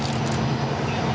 jadi terima kasih